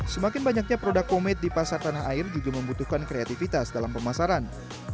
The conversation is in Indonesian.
semakin banyaknya produk komit di pasar tanah air juga membutuhkan kreativitas dalam pemasaran